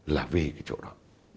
là vì cái chỗ đó